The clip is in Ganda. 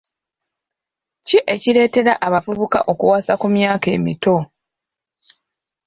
Ki ekireetera abavubuka okuwasa ku myaka emito?